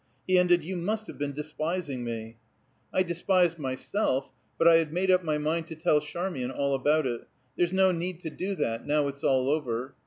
He ended, "You must have been despising me!" "I despised myself. But I had made up my mind to tell Charmian all about it. There's no need to do that, now it's all over."